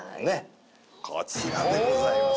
こちらでございます！